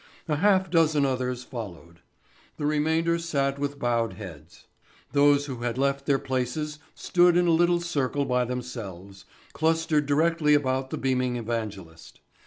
A half dozen others followed. The remainder sat with bowed heads. Those who had left their places stood in a little circle by themselves, clustered directly about the beaming evangelist.